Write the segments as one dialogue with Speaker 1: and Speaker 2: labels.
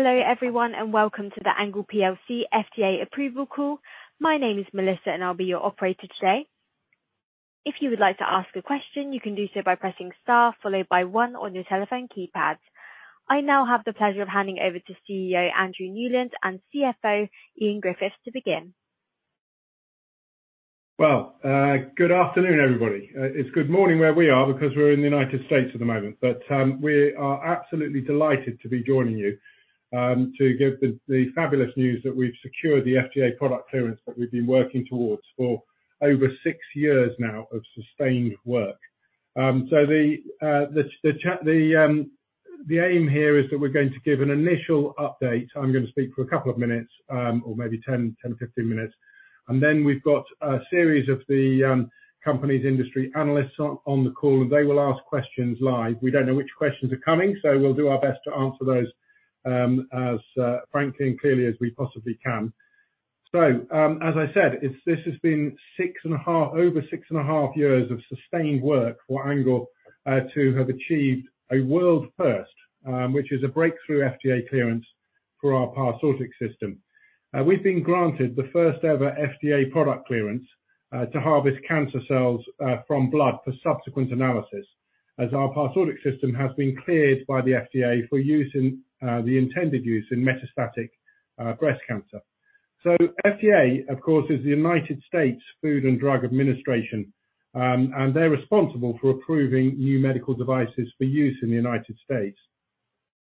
Speaker 1: Hello everyone, and welcome to the ANGLE plc FDA approval call. My name is Melissa and I'll be your operator today. If you would like to ask a question, you can do so by pressing star followed by one on your telephone keypad. I now have the pleasure of handing over to CEO Andrew Newland and CFO Ian Griffiths to begin.
Speaker 2: Well, good afternoon, everybody. It's good morning where we are because we're in the United States at the moment. We are absolutely delighted to be joining you to give the fabulous news that we've secured the FDA product clearance that we've been working towards for over six years now of sustained work. The aim here is that we're going to give an initial update. I'm gonna speak for a couple of minutes, or maybe 10, 15 minutes. Then we've got a series of the company's industry analysts on the call, and they will ask questions live. We don't know which questions are coming, so we'll do our best to answer those, as frankly and clearly as we possibly can. As I said, this has been over six and a half years of sustained work for ANGLE to have achieved a world first, which is a breakthrough FDA clearance for our Parsortix system. We've been granted the first ever FDA product clearance to harvest cancer cells from blood for subsequent analysis, as our Parsortix system has been cleared by the FDA for use in the intended use in metastatic breast cancer. FDA, of course, is the United States Food and Drug Administration, and they're responsible for approving new medical devices for use in the United States.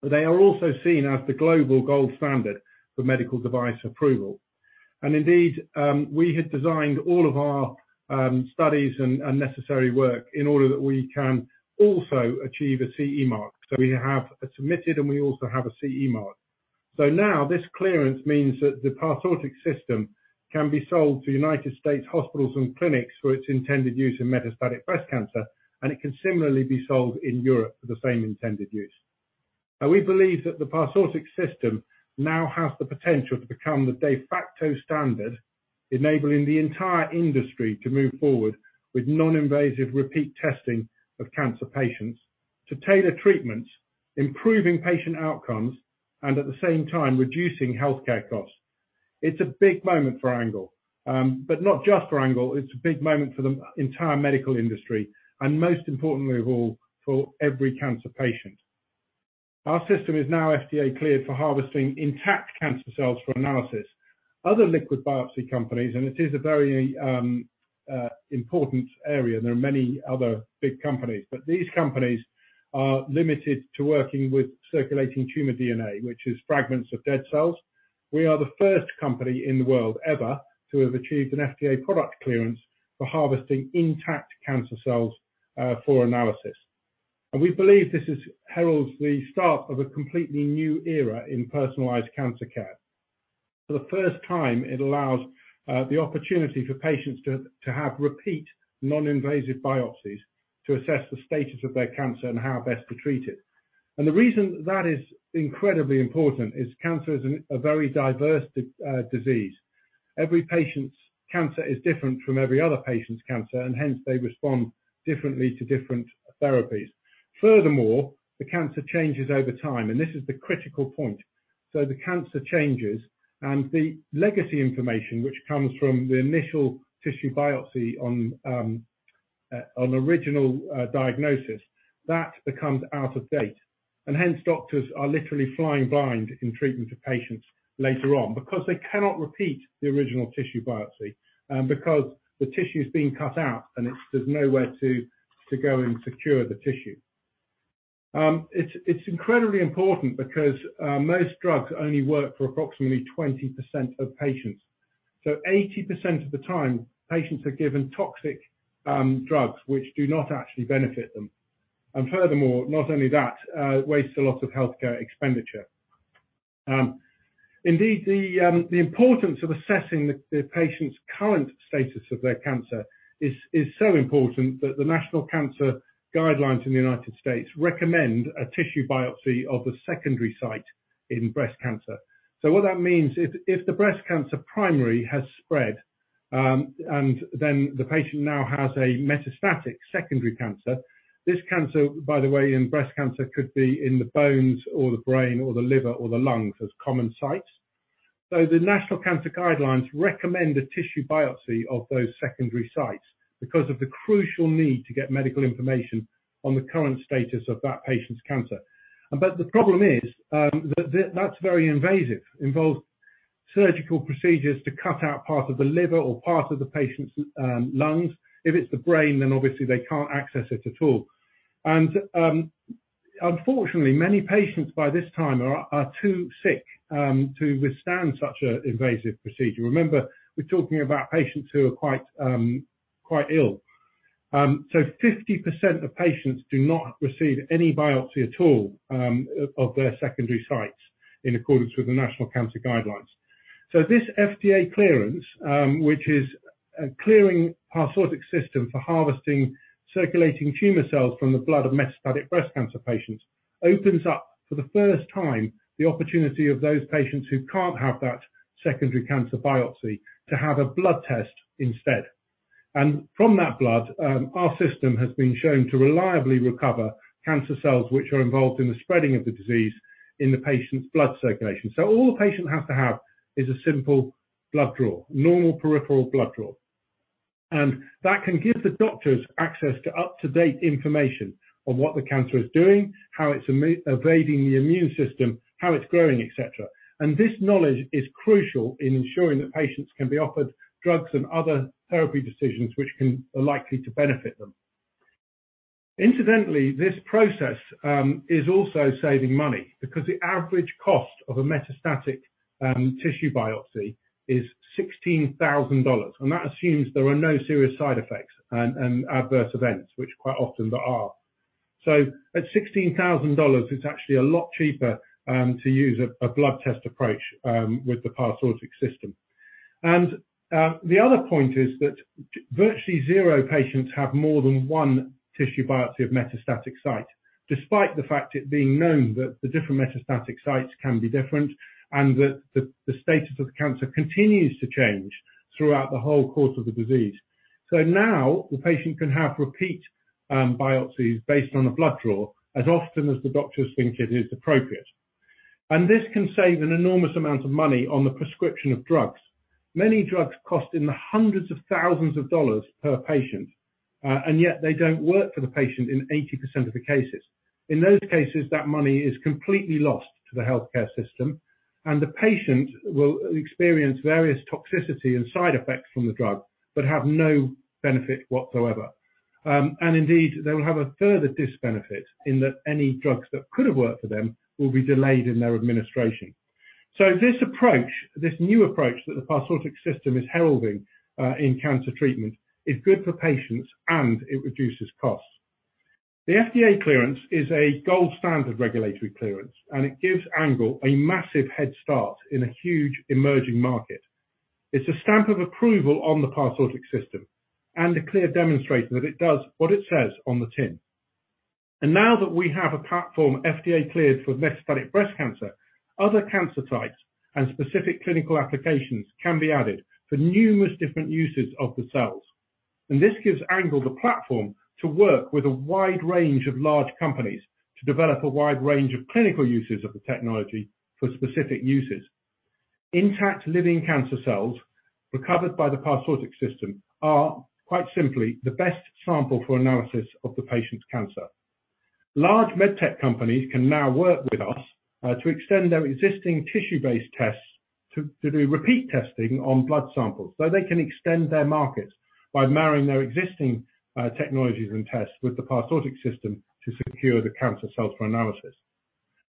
Speaker 2: They are also seen as the global gold standard for medical device approval. Indeed, we had designed all of our studies and necessary work in order that we can also achieve a CE mark. We have submitted and we also have a CE mark. Now this clearance means that the Parsortix system can be sold to United States hospitals and clinics for its intended use in metastatic breast cancer, and it can similarly be sold in Europe for the same intended use. We believe that the Parsortix system now has the potential to become the de facto standard, enabling the entire industry to move forward with non-invasive repeat testing of cancer patients to tailor treatments, improving patient outcomes, and at the same time reducing healthcare costs. It's a big moment for ANGLE. Not just for ANGLE, it's a big moment for the entire medical industry and most importantly of all, for every cancer patient. Our system is now FDA cleared for harvesting intact cancer cells for analysis. Other liquid biopsy companies, and it is a very important area, there are many other big companies, but these companies are limited to working with circulating tumor DNA, which is fragments of dead cells. We are the first company in the world ever to have achieved an FDA product clearance for harvesting intact cancer cells for analysis. We believe this is heralds the start of a completely new era in personalized cancer care. For the first time, it allows the opportunity for patients to have repeat non-invasive biopsies to assess the status of their cancer and how best to treat it. The reason that is incredibly important is cancer is a very diverse disease. Every patient's cancer is different from every other patient's cancer, and hence they respond differently to different therapies. Furthermore, the cancer changes over time, and this is the critical point. The cancer changes and the legacy information which comes from the initial tissue biopsy on original diagnosis, that becomes out of date, and hence doctors are literally flying blind in treatment of patients later on because they cannot repeat the original tissue biopsy, because the tissue's been cut out and it's, there's nowhere to go and secure the tissue. It's incredibly important because most drugs only work for approximately 20% of patients. 80% of the time patients are given toxic drugs which do not actually benefit them. Furthermore, not only that, it wastes a lot of healthcare expenditure. Indeed the importance of assessing the patient's current status of their cancer is so important that the National Cancer Guidelines in the United States recommend a tissue biopsy of the secondary site in breast cancer. What that means, if the breast cancer primary has spread, and then the patient now has a metastatic secondary cancer, this cancer, by the way, in breast cancer could be in the bones or the brain or the liver or the lungs as common sites. The National Cancer Guidelines recommend a tissue biopsy of those secondary sites because of the crucial need to get medical information on the current status of that patient's cancer. The problem is, that's very invasive, involves surgical procedures to cut out part of the liver or part of the patient's lungs. If it's the brain, then obviously they can't access it at all. Unfortunately, many patients by this time are too sick to withstand such an invasive procedure. Remember, we're talking about patients who are quite ill. 50% of patients do not receive any biopsy at all of their secondary sites in accordance with the National Cancer Guidelines. This FDA clearance, which is clearing Parsortix system for harvesting circulating tumor cells from the blood of metastatic breast cancer patients, opens up for the first time the opportunity of those patients who can't have that secondary cancer biopsy to have a blood test instead. From that blood, our system has been shown to reliably recover cancer cells which are involved in the spreading of the disease in the patient's blood circulation. All the patient has to have is a simple blood draw, normal peripheral blood draw. That can give the doctors access to up-to-date information on what the cancer is doing, how it's evading the immune system, how it's growing, et cetera. This knowledge is crucial in ensuring that patients can be offered drugs and other therapy decisions which are likely to benefit them. Incidentally, this process is also saving money because the average cost of a metastatic tissue biopsy is $16,000, and that assumes there are no serious side effects and adverse events, which quite often there are. At $16,000, it's actually a lot cheaper to use a blood test approach with the Parsortix system. The other point is that virtually zero patients have more than one tissue biopsy of metastatic site, despite the fact it being known that the different metastatic sites can be different and that the status of the cancer continues to change throughout the whole course of the disease. Now the patient can have repeat biopsies based on a blood draw as often as the doctors think it is appropriate. This can save an enormous amount of money on the prescription of drugs. Many drugs cost in the hundreds of thousands of dollars per patient, and yet they don't work for the patient in 80% of the cases. In those cases, that money is completely lost to the healthcare system, and the patient will experience various toxicity and side effects from the drug, but have no benefit whatsoever. Indeed, they will have a further disbenefit in that any drugs that could have worked for them will be delayed in their administration. This approach, this new approach that the Parsortix system is heralding, in cancer treatment is good for patients, and it reduces costs. The FDA clearance is a gold standard regulatory clearance, and it gives ANGLE a massive head start in a huge emerging market. It's a stamp of approval on the Parsortix system and a clear demonstration that it does what it says on the tin. Now that we have a platform FDA-cleared for metastatic breast cancer, other cancer types and specific clinical applications can be added for numerous different uses of the cells. This gives ANGLE the platform to work with a wide range of large companies to develop a wide range of clinical uses of the technology for specific uses. Intact living cancer cells recovered by the Parsortix system are, quite simply, the best sample for analysis of the patient's cancer. Large medtech companies can now work with us to extend their existing tissue-based tests, to do repeat testing on blood samples. They can extend their markets by marrying their existing technologies and tests with the Parsortix system to secure the cancer cells for analysis.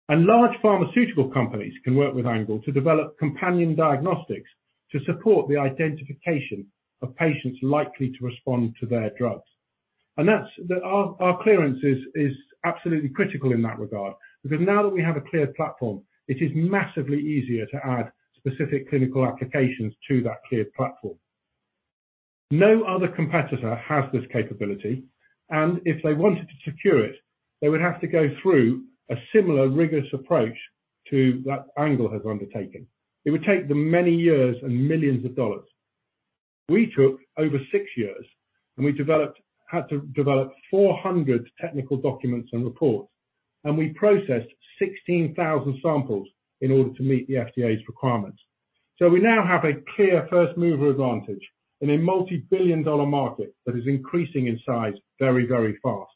Speaker 2: Large pharmaceutical companies can work with ANGLE to develop companion diagnostics to support the identification of patients likely to respond to their drugs. Our clearance is absolutely critical in that regard because now that we have a cleared platform, it is massively easier to add specific clinical applications to that cleared platform. No other competitor has this capability, and if they wanted to secure it, they would have to go through a similar rigorous approach to that ANGLE has undertaken. It would take them many years and millions of dollars. We took over six years, and we had to develop 400 technical documents and reports, and we processed 16,000 samples in order to meet the FDA's requirements. We now have a clear first-mover advantage in a multi-billion-dollar market that is increasing in size very, very fast.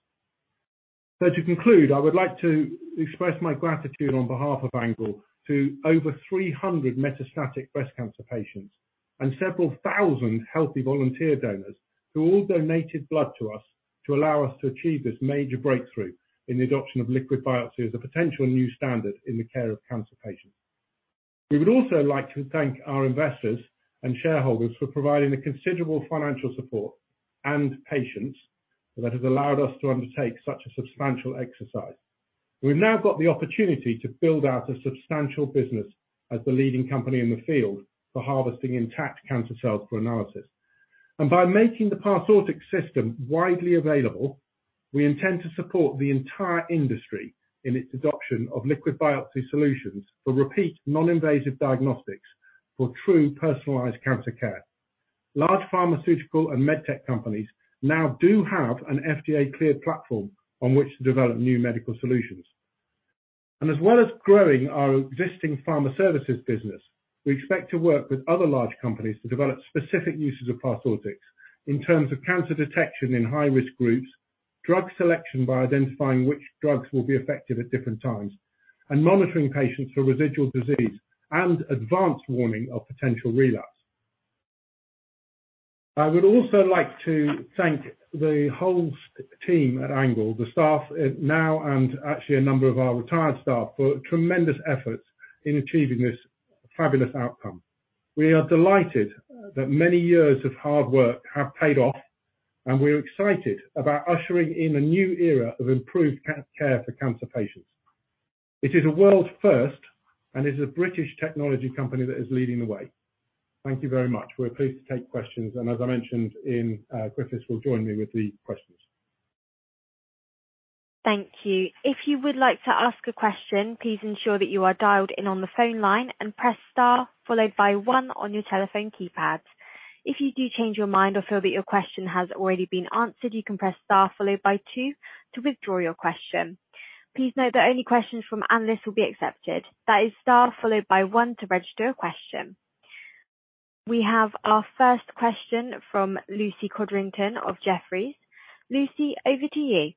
Speaker 2: To conclude, I would like to express my gratitude on behalf of ANGLE to over 300 metastatic breast cancer patients and several thousand healthy volunteer donors who all donated blood to us to allow us to achieve this major breakthrough in the adoption of liquid biopsy as a potential new standard in the care of cancer patients. We would also like to thank our investors and shareholders for providing the considerable financial support and patience that has allowed us to undertake such a substantial exercise. We've now got the opportunity to build out a substantial business as the leading company in the field for harvesting intact cancer cells for analysis. By making the Parsortix system widely available, we intend to support the entire industry in its adoption of liquid biopsy solutions for repeat non-invasive diagnostics for true personalized cancer care. Large pharmaceutical and medtech companies now do have an FDA-cleared platform on which to develop new medical solutions. As well as growing our existing pharma services business, we expect to work with other large companies to develop specific uses of Parsortix in terms of cancer detection in high-risk groups, drug selection by identifying which drugs will be effective at different times, and monitoring patients for residual disease, and advanced warning of potential relapse. I would also like to thank the whole senior team at ANGLE, the staff, now and actually a number of our retired staff, for tremendous efforts in achieving this fabulous outcome. We are delighted that many years of hard work have paid off, and we're excited about ushering in a new era of improved cancer care for cancer patients. It is a world first, and it is a British technology company that is leading the way. Thank you very much. We're pleased to take questions, and as I mentioned, Ian Griffiths will join me with the questions.
Speaker 1: Thank you. If you would like to ask a question, please ensure that you are dialed in on the phone line and press star followed by one on your telephone keypad. If you do change your mind or feel that your question has already been answered, you can press star followed by two to withdraw your question. Please note that only questions from analysts will be accepted. That is star followed by one to register a question. We have our first question from Lucy Codrington of Jefferies. Lucy, over to you.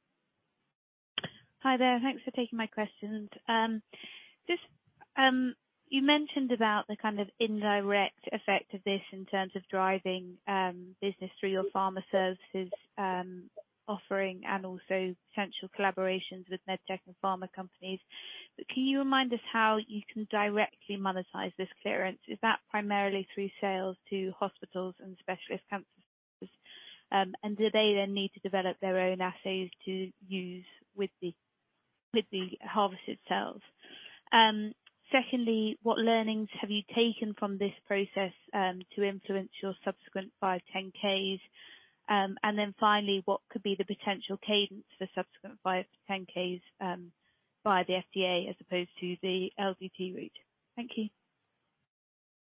Speaker 3: Hi there. Thanks for taking my questions. Just, you mentioned about the kind of indirect effect of this in terms of driving, business through your pharma services, offering and also potential collaborations with medtech and pharma companies. Can you remind us how you can directly monetize this clearance? Is that primarily through sales to hospitals and specialist cancer centers? Do they then need to develop their own assays to use with the harvested cells? Secondly, what learnings have you taken from this process, to influence your subsequent 510(k)s? Finally, what could be the potential cadence for subsequent 510(k)s, by the FDA as opposed to the LDT route? Thank you.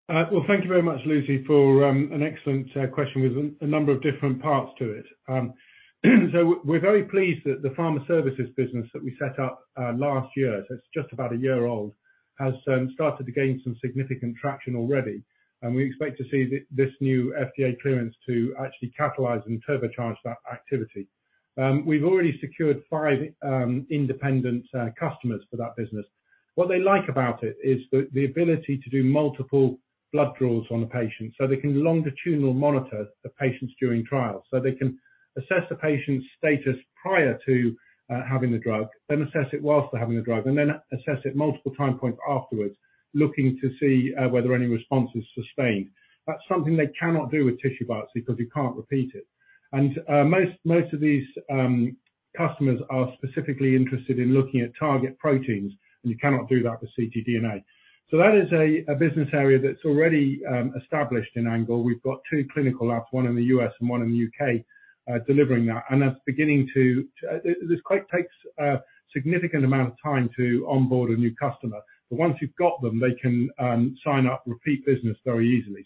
Speaker 2: Well, thank you very much, Lucy, for an excellent question with a number of different parts to it. We're very pleased that the pharma services business that we set up last year, so it's just about a year old, has started to gain some significant traction already, and we expect to see this new FDA clearance to actually catalyze and turbocharge that activity. We've already secured five independent customers for that business. What they like about it is the ability to do multiple blood draws on a patient, so they can longitudinally monitor the patients during trials. They can assess the patient's status prior to having the drug, then assess it while they're having the drug, and then assess it multiple time points afterwards, looking to see whether any response is sustained. That's something they cannot do with tissue biopsy because you can't repeat it. Most of these customers are specifically interested in looking at target proteins, and you cannot do that with ctDNA. That is a business area that's already established in ANGLE. We've got two clinical labs, one in the U.S. and one in the U.K., delivering that. It takes quite a significant amount of time to onboard a new customer. Once you've got them, they can sign up repeat business very easily.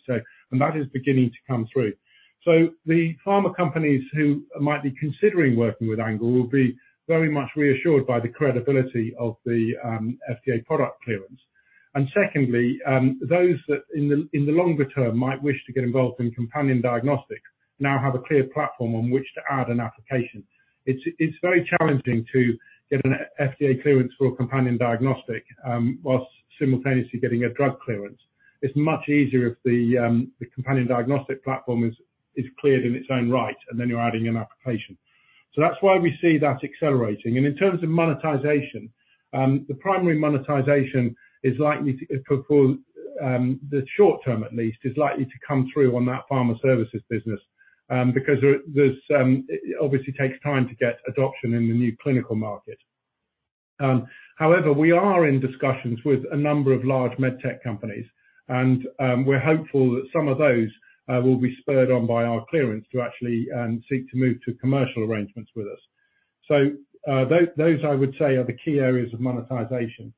Speaker 2: That is beginning to come through. The pharma companies who might be considering working with ANGLE will be very much reassured by the credibility of the FDA product clearance. Secondly, those that in the longer term might wish to get involved in companion diagnostics now have a clear platform on which to add an application. It's very challenging to get an FDA clearance for a companion diagnostic while simultaneously getting a drug clearance. It's much easier if the companion diagnostic platform is cleared in its own right, and then you're adding an application. That's why we see that accelerating. In terms of monetization, the primary monetization is likely, for the short term at least, to come through on that pharma services business, because it obviously takes time to get adoption in the new clinical market. However, we are in discussions with a number of large medtech companies and, we're hopeful that some of those will be spurred on by our clearance to actually seek to move to commercial arrangements with us. Those, I would say, are the key areas of monetization.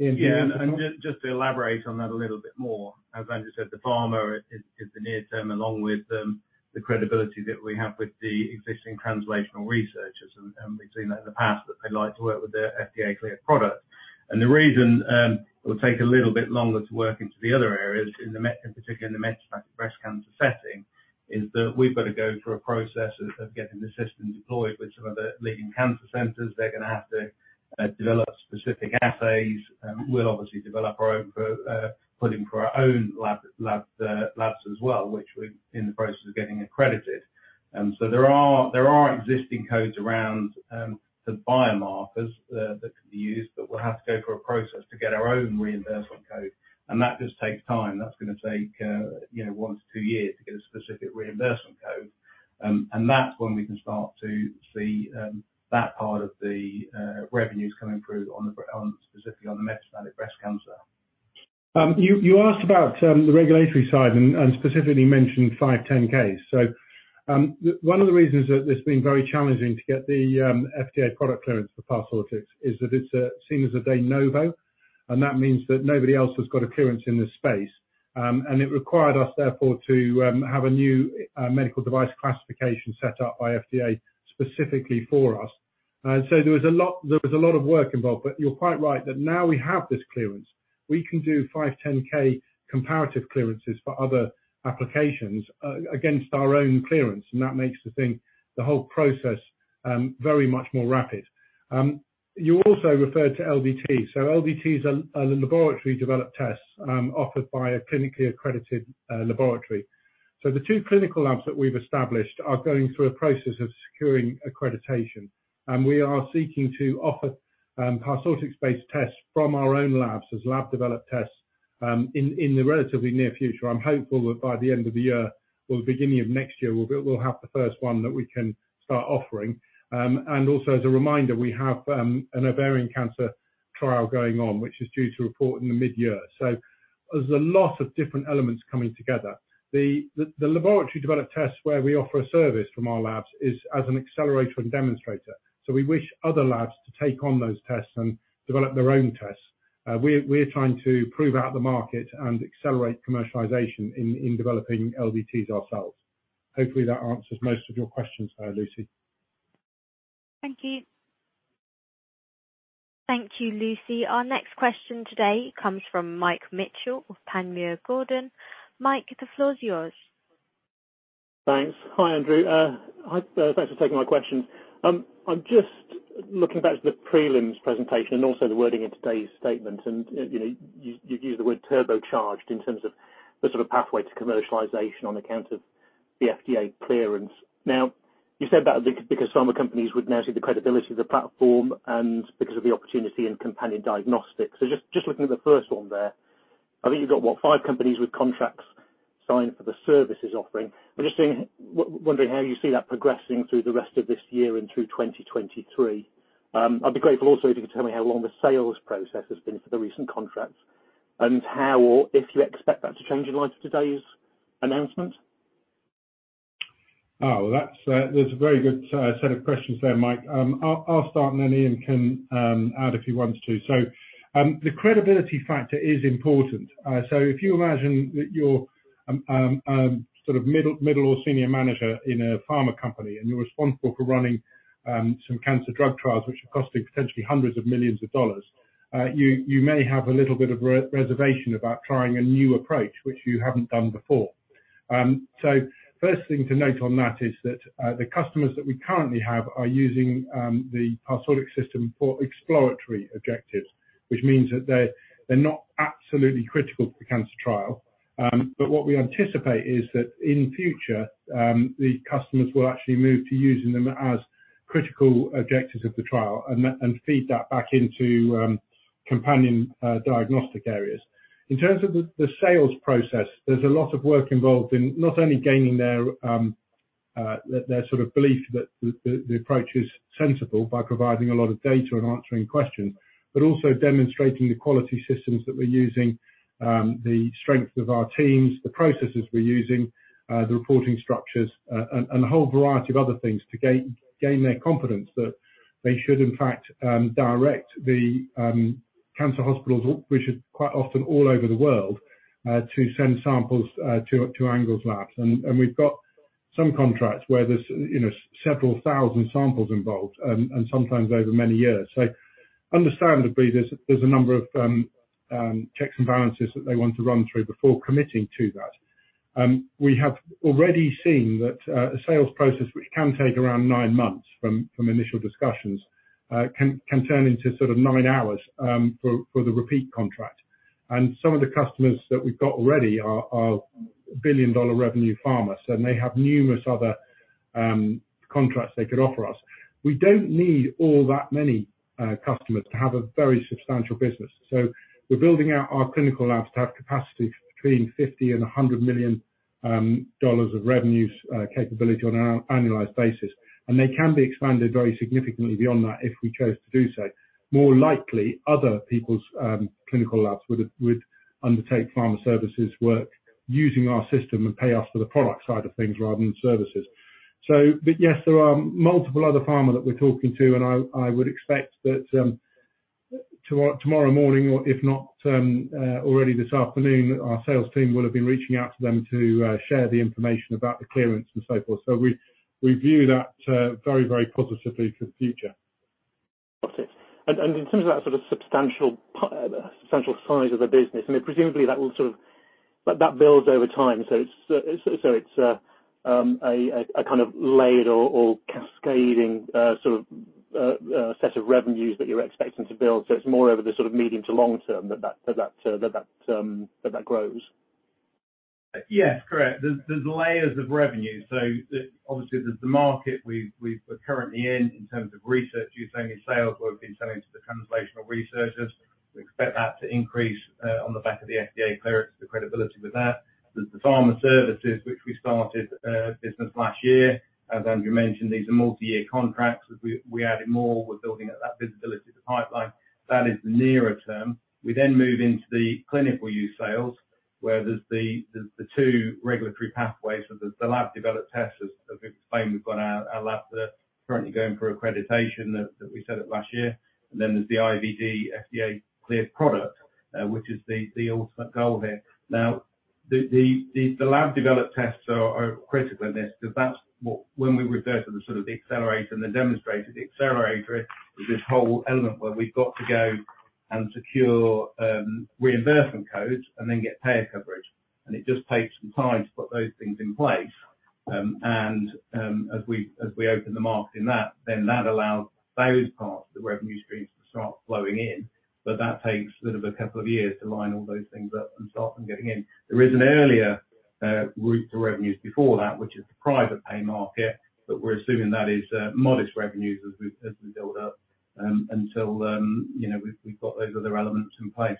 Speaker 2: Ian.
Speaker 4: Yeah. Just to elaborate on that a little bit more, as Andrew said, the pharma is the near term, along with the credibility that we have with the existing translational researchers. We've seen that in the past that they like to work with the FDA-cleared product. The reason it will take a little bit longer to work into the other areas, in MedTech, in particular in the metastatic breast cancer setting, is that we've got to go through a process of getting the system deployed with some of the leading cancer centers. They're gonna have to develop specific assays. We'll obviously develop our own for putting into our own labs as well, which we're in the process of getting accredited. There are existing codes around the biomarkers that could be used, but we'll have to go through a process to get our own reimbursement code, and that just takes time. That's gonna take, you know, one to two years to get a specific reimbursement code. That's when we can start to see that part of the revenues coming through specifically on the metastatic breast cancer.
Speaker 2: You asked about the regulatory side and specifically mentioned 510(k)s. One of the reasons that it's been very challenging to get the FDA product clearance for Parsortix is that it's seen as a de novo, and that means that nobody else has got a clearance in this space. It required us therefore to have a new medical device classification set up by FDA specifically for us. There was a lot of work involved, but you're quite right that now we have this clearance, we can do 510(k) comparative clearances for other applications against our own clearance, and that makes the thing, the whole process, very much more rapid. You also referred to LDTs. LDTs are Laboratory Developed Tests offered by a clinically accredited laboratory. The two clinical labs that we've established are going through a process of securing accreditation, and we are seeking to offer Parsortix-based tests from our own labs as lab-developed tests in the relatively near future. I'm hopeful that by the end of the year or the beginning of next year, we'll have the first one that we can start offering. Also as a reminder, we have an ovarian cancer trial going on, which is due to report in the mid-year. There's a lot of different elements coming together. The laboratory developed tests where we offer a service from our labs is as an accelerator and demonstrator. We wish other labs to take on those tests and develop their own tests. We're trying to prove out the market and accelerate commercialization in developing LDTs ourselves. Hopefully, that answers most of your questions there, Lucy.
Speaker 3: Thank you.
Speaker 1: Thank you, Lucy. Our next question today comes from Mike Mitchell with Panmure Gordon. Mike, the floor is yours.
Speaker 5: Thanks. Hi, Andrew. Hi, thanks for taking my question. I'm just looking back to the prelims presentation and also the wording in today's statement. You know, you've used the word turbocharged in terms of the sort of pathway to commercialization on account of the FDA clearance. Now, you said that because pharma companies would now see the credibility of the platform and because of the opportunity in companion diagnostics. Just looking at the first one there, I think you've got, what, five companies with contracts signed for the services offering. I'm just wondering how you see that progressing through the rest of this year and through 2023. I'd be grateful also if you could tell me how long the sales process has been for the recent contracts and how or if you expect that to change in light of today's announcement?
Speaker 2: Oh, that's a very good set of questions there, Mike. I'll start, and then Ian can add if he wants to. The credibility factor is important. If you imagine that you're sort of middle or senior manager in a pharma company, and you're responsible for running some cancer drug trials which are costing potentially hundreds of millions of dollars. You may have a little bit of reservation about trying a new approach which you haven't done before. First thing to note on that is that the customers that we currently have are using the Parsortix system for exploratory objectives, which means that they're not absolutely critical to the cancer trial. What we anticipate is that in future, the customers will actually move to using them as critical objectives of the trial and feed that back into companion diagnostic areas. In terms of the sales process, there's a lot of work involved in not only gaining their sort of belief that the approach is sensible by providing a lot of data and answering questions, but also demonstrating the quality systems that we're using, the strength of our teams, the processes we're using, the reporting structures, and a whole variety of other things to gain their confidence that they should, in fact, direct the cancer hospitals, which is quite often all over the world, to send samples to ANGLE's labs. We've got some contracts where there's, you know, several thousand samples involved, and sometimes over many years. Understandably, there's a number of checks and balances that they want to run through before committing to that. We have already seen that a sales process which can take around nine months from initial discussions can turn into sort of nine hours for the repeat contract. Some of the customers that we've got already are billion-dollar revenue pharmas, and they have numerous other contracts they could offer us. We don't need all that many customers to have a very substantial business. We're building out our clinical labs to have capacity between $50 million and $100 million of revenues capability on an annualized basis. They can be expanded very significantly beyond that if we chose to do so. More likely, other people's clinical labs would undertake pharma services work using our system and pay us for the product side of things rather than services. Yes, there are multiple other pharma that we're talking to, and I would expect that tomorrow morning or if not already this afternoon, our sales team will have been reaching out to them to share the information about the clearance and so forth. We view that very positively for the future.
Speaker 5: Got it. In terms of that sort of substantial size of the business, I mean presumably that will sort of that builds over time. It's a kind of layered or cascading sort of set of revenues that you're expecting to build. It's more over the sort of medium to long term that grows.
Speaker 4: Yes, correct. There's layers of revenue. Obviously there's the market we're currently in in terms of research use-only sales where we've been selling to the translational researchers. We expect that to increase on the back of the FDA clearance, the credibility with that. There's the Pharma Services which we started business last year. As Andrew mentioned, these are multi-year contracts. As we added more, we're building up that visibility of the pipeline. That is the nearer term. We move into the clinical use sales, where there's the two regulatory pathways. There's the lab-developed tests. As we've explained, we've got our labs that are currently going through accreditation that we set up last year. There's the IVD FDA-cleared product, which is the ultimate goal here. Now, the lab-developed tests are critical in this because that's what, when we refer to the sort of accelerator and the demonstrator, the accelerator is this whole element where we've got to go and secure reimbursement codes and then get payer coverage. It just takes some time to put those things in place. As we open the market in that, then that allows those parts of the revenue streams to start flowing in. That takes sort of a couple of years to line all those things up and start them getting in. There is an earlier route to revenues before that, which is the private pay market, but we're assuming that is modest revenues as we build up until you know we've got those other elements in place.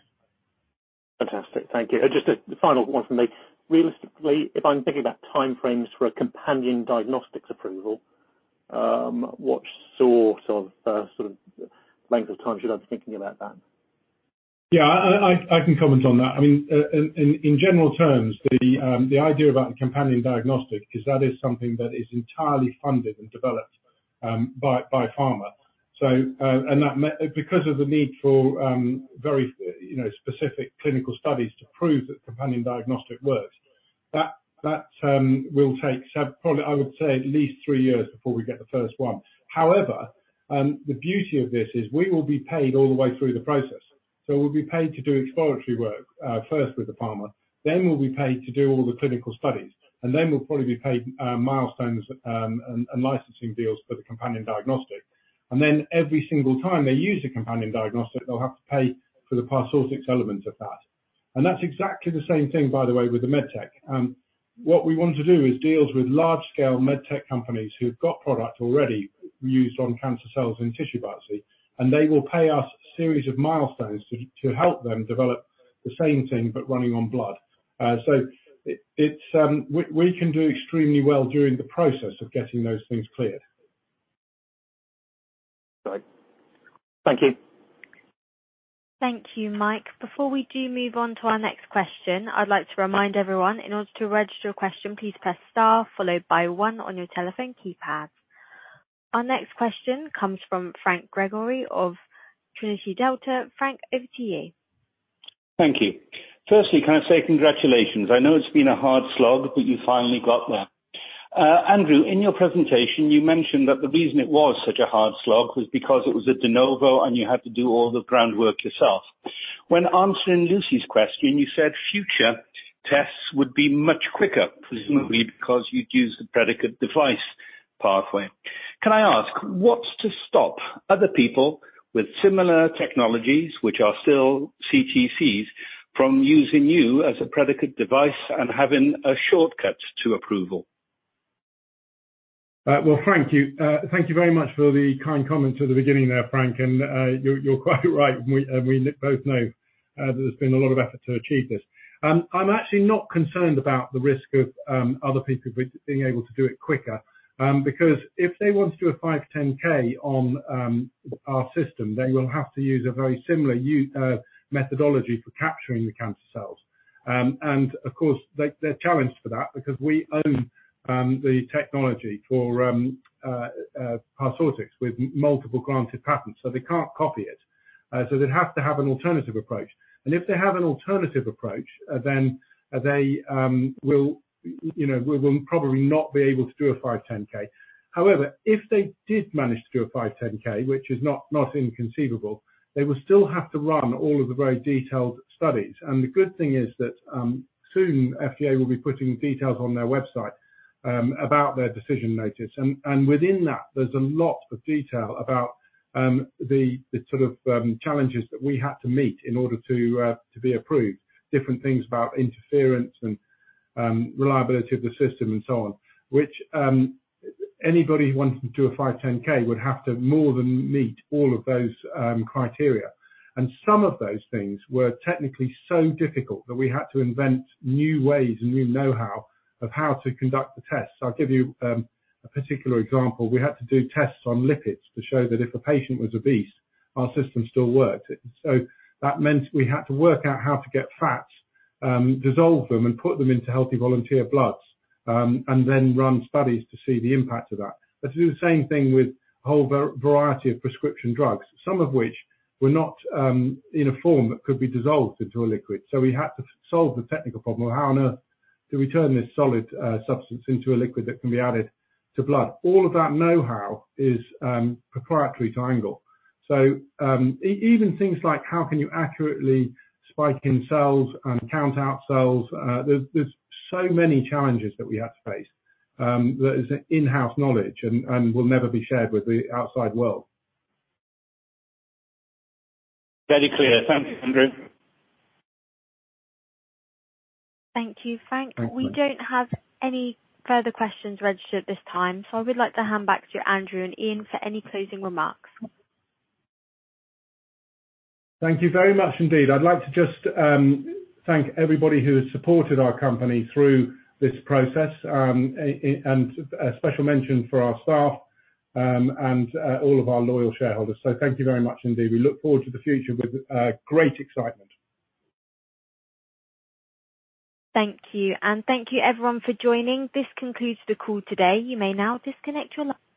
Speaker 5: Fantastic. Thank you. Just a final one from me. Realistically, if I'm thinking about time frames for a companion diagnostics approval, what sort of length of time should I be thinking about that?
Speaker 2: Yeah. I can comment on that. I mean, in general terms, the idea about the companion diagnostic is that it is something that is entirely funded and developed by pharma. Because of the need for very, you know, specific clinical studies to prove that companion diagnostic works, that will take probably, I would say at least three years before we get the first one. However, the beauty of this is we will be paid all the way through the process. We'll be paid to do exploratory work first with the pharma, then we'll be paid to do all the clinical studies, and then we'll probably be paid milestones and licensing deals for the companion diagnostic. Every single time they use a companion diagnostic, they'll have to pay for the Parsortix element of that. That's exactly the same thing, by the way, with the MedTech. What we want to do is deals with large-scale medtech companies who've got product already used on cancer cells and tissue biopsy, and they will pay us a series of milestones to help them develop the same thing, but running on blood. We can do extremely well during the process of getting those things cleared.
Speaker 5: Right. Thank you.
Speaker 1: Thank you, Mike. Before we do move on to our next question, I'd like to remind everyone, in order to register a question, please press star followed by one on your telephone keypad. Our next question comes from Franc Gregori of Trinity Delta. Franc, over to you.
Speaker 6: Thank you. Firstly, can I say congratulations? I know it's been a hard slog, but you finally got there. Andrew, in your presentation, you mentioned that the reason it was such a hard slog was because it was a de novo, and you had to do all the groundwork yourself. When answering Lucy's question, you said future tests would be much quicker, presumably because you'd use the predicate device pathway. Can I ask, what's to stop other people with similar technologies, which are still CTCs, from using you as a predicate device and having a shortcut to approval?
Speaker 2: Well, Franc, thank you very much for the kind comments at the beginning there, Franc. You're quite right, and we both know there's been a lot of effort to achieve this. I'm actually not concerned about the risk of other people being able to do it quicker, because if they want to do a 510(k) on our system, they will have to use a very similar methodology for capturing the cancer cells. Of course, they're challenged for that because we own the technology for Parsortix with multiple granted patents, so they can't copy it. They'd have to have an alternative approach. If they have an alternative approach, then they, you know, will probably not be able to do a 510(k). However, if they did manage to do a 510(k), which is not inconceivable, they will still have to run all of the very detailed studies. The good thing is that soon FDA will be putting details on their website about their decision notice. Within that, there's a lot of detail about the sort of challenges that we had to meet in order to be approved. Different things about interference and reliability of the system and so on, which anybody wanting to do a 510(k) would have to more than meet all of those criteria. Some of those things were technically so difficult that we had to invent new ways and new know-how of how to conduct the test. I'll give you a particular example. We had to do tests on lipids to show that if a patient was obese, our system still worked. That meant we had to work out how to get fats, dissolve them, and put them into healthy volunteer bloods, and then run studies to see the impact of that. Let's do the same thing with a whole variety of prescription drugs, some of which were not in a form that could be dissolved into a liquid. We had to solve the technical problem of how on earth do we turn this solid substance into a liquid that can be added to blood. All of that know-how is proprietary to ANGLE. Even things like how can you accurately spike in cells and count out cells, there's so many challenges that we had to face, that is in-house knowledge and will never be shared with the outside world.
Speaker 6: Very clear. Thank you, Andrew.
Speaker 1: Thank you, Franc.
Speaker 6: Thank you.
Speaker 1: We don't have any further questions registered at this time, so I would like to hand back to Andrew and Ian for any closing remarks.
Speaker 2: Thank you very much indeed. I'd like to just thank everybody who has supported our company through this process, and a special mention for our staff, and all of our loyal shareholders. Thank you very much indeed. We look forward to the future with great excitement.
Speaker 1: Thank you. Thank you everyone for joining. This concludes the call today. You may now disconnect your line.